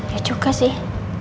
ya juga sih